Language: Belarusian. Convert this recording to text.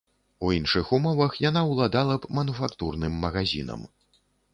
У іншых умовах яна ўладала б мануфактурным магазінам.